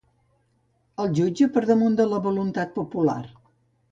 El jutge per damunt de la voluntat popular.